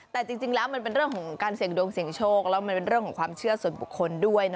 แต่จริงแล้วมันเป็นเรื่องของการเสี่ยงดวงเสี่ยงโชคแล้วมันเป็นเรื่องของความเชื่อส่วนบุคคลด้วยนะ